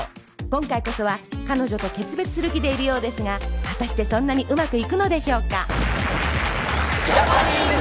今回こそは彼女と決別する気でいるようですが果たしてそんなにうまくいくのでしょうか？